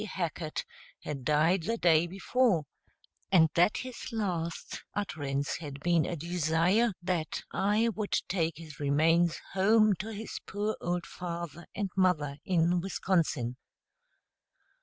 Hackett, had died the day before, and that his last utterance had been a desire that I would take his remains home to his poor old father and mother in Wisconsin.